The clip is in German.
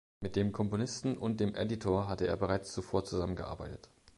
Mit dem Komponisten und dem Editor hatte er bereits zuvor zusammengearbeitet.